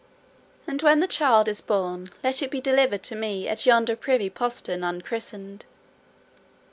And when the child is born let it be delivered to me at yonder privy postern unchristened.